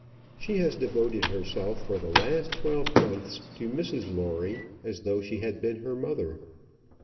She has devoted herself for the last twelve months to Mrs Lawrie, as though she had been her mother.